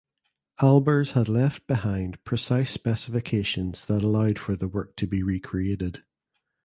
Albers had left behind precise specifications that allowed for the work to be recreated.